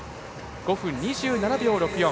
５分２７秒６４。